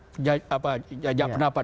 proses jajak pendapat